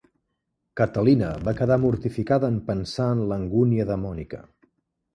Catalina va quedar mortificada en pensar en l'angúnia de Monica.